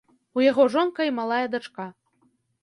У яго жонка і малая дачка.